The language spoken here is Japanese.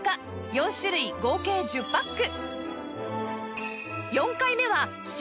４種類合計１０パック